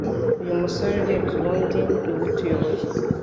uyu musore urebye ubundi niwe utuyoboye